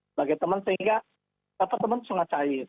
sebagai teman sehingga tetap teman sungguh cair